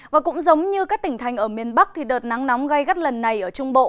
và cũng giống như các tỉnh thành ở miền bắc thì đợt nắng nóng gây gắt lần này ở trung bộ